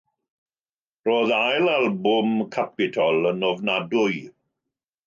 Roedd ail albwm Capitol yn ofnadwy...